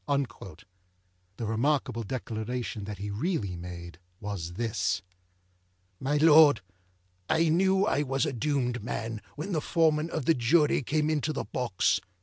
â The remarkable declaration that he really made was this: â_My Lord_, I knew I was a doomed man, when the Foreman of my Jury came into the box.